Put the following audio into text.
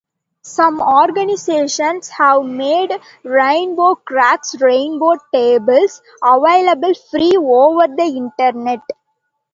Some organizations have made RainbowCrack's rainbow tables available free over the internet.